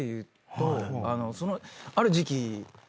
ある時期。